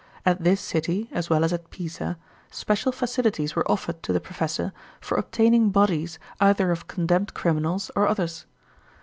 At this city, as well as at Pisa, special facilities were offered to the professor for obtaining bodies either of condemned criminals or others.